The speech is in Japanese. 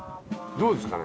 どうですかね